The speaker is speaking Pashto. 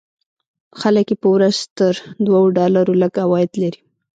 خلک یې په ورځ تر دوو ډالرو لږ عواید لري.